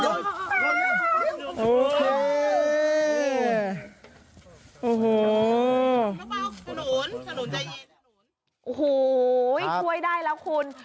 โอ้โหช่วยได้แล้วคุณ